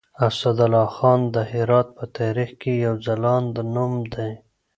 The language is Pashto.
اسدالله خان د هرات په تاريخ کې يو ځلاند نوم دی.